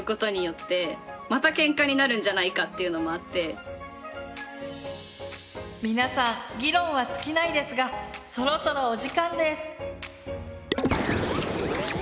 ただまた皆さん議論は尽きないですがそろそろお時間です。